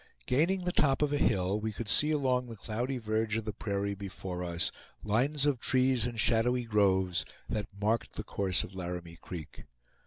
Gaining the top of a hill, we could see along the cloudy verge of the prairie before us lines of trees and shadowy groves that marked the course of Laramie Creek.